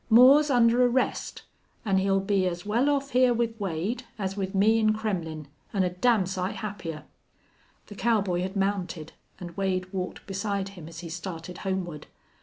"Moore's under arrest. An' he'll be as well off hyar with Wade as with me in Kremmlin', an' a damn sight happier." The cowboy had mounted, and Wade walked beside him as he started homeward.